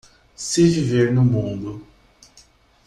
Se viver no mundo